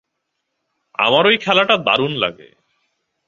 আমার ঐ খেলাটা দারুণ লাগে।